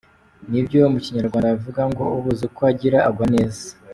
N’ibyo mu Kinyarwanda bavuga ngo ubuze uko agira agwa neza.